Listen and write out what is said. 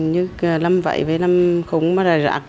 như làm vẫy với làm khung và rải rạc